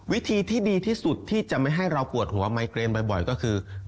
วิธีที่ดีที่สุดที่จะไม่ให้เราปวดหัวไมเกรนบ่อยก็คือ